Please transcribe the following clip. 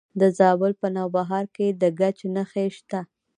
د زابل په نوبهار کې د ګچ نښې شته.